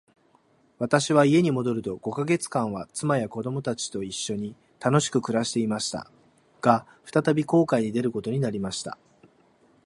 私は家に戻ると五ヵ月間は、妻や子供たちと一しょに楽しく暮していました。が、再び航海に出ることになりました。